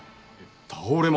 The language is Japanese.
倒れます。